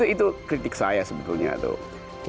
itu kritik saya sebetulnya tuh